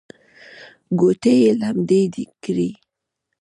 ګوتې یې لمدې کړې.